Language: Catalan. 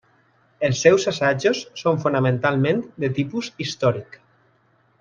Els seus assajos són fonamentalment de tipus històric.